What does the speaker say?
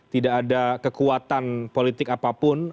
tidak ada kekuatan politik apapun